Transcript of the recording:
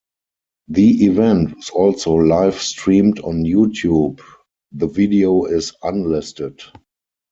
The event was also live streamed on YouTube, the video is unlisted.